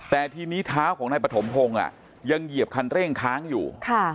แต่ทีนี้เท้าของนายปฐมพงศ์ยังเหยียบคันเร่งค้างอยู่